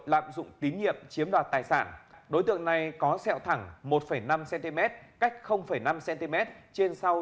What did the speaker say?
lạm dụng tín nhiệm chiếm đoạt tài sản đối tượng này có sẹo thẳng một năm cm cách năm cm trên sau